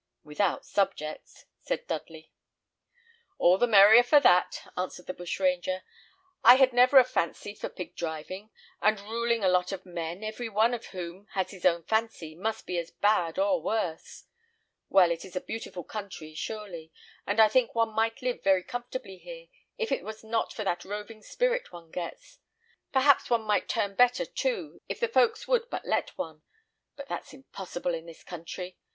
"Without subjects," said Dudley. "All the merrier for that," answered the bushranger. "I had never a fancy for pig driving; and ruling a lot of men, every one of whom has his own fancy, must be as bad or worse. Well, it is a beautiful country, surely; and I think one might live very comfortably here, if it was not for that roving spirit one gets. Perhaps one might turn better too, if the folks would but let one; but that's impossible in this country.